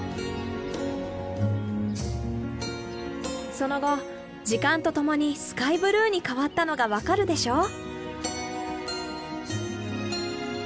その後時間とともにスカイブルーに変わったのが分かるでしょう。